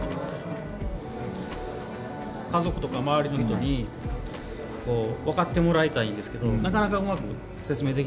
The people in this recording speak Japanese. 家族とか周りの人に分かってもらいたいんですけどなかなかうまく説明できないんですよね。